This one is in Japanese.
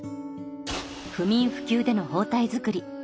不眠不休での包帯作り。